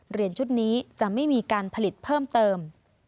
ชุดนี้จะไม่มีการผลิตเพิ่มเติม